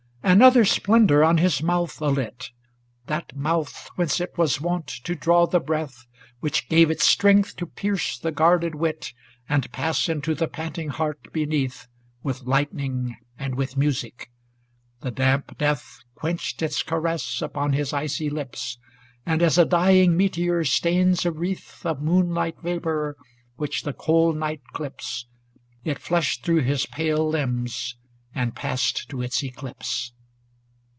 XII Another Splendor on his mouth alit, That mouth whence it was wont to draw the breath Which gave it strength to pierce the guarded wit. And pass into the panting heart beneath With lightning and with music; the damp death Quenched its caress upon his icy lips; And, as a dying meteor stains a wreath Of moonlight vapor, which the cold night clips. It flushed through his pale limbs, and passed to its eclipse.